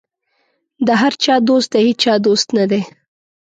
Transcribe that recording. د هر چا دوست د هېچا دوست نه دی.